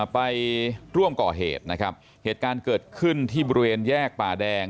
ไปร่วมก่อเหตุนะครับเหตุการณ์เกิดขึ้นที่บริเวณแยกป่าแดง